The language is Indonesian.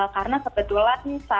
karena kebetulan saat